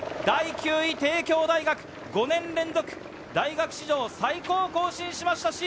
第９位帝京大学、５年連続、大学史上最高を更新しました。